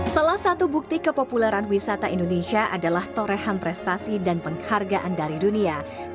salah satu bukti kepopuleran wisata indonesia adalah torehan prestasi dan penghargaan dari dunia